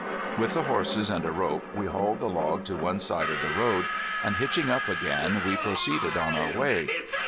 With the horses and a rope we hauled the log to one side of the road, and hitching up again we proceeded on our way.